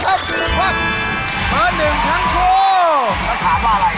ยกฝังชื่อหนึ่งฝังแปลหนึ่งทางทั่วโครงมันถามว่าอะไร